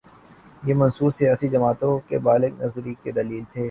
یہ منشور سیاسی جماعتوں کی بالغ نظری کی دلیل تھے۔